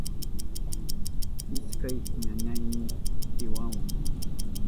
Ishkay ñañayni tiyawan.